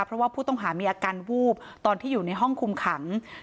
เพราะว่าผู้ต้องหามีอาการวูบตอนที่อยู่ในห้องคุมขัง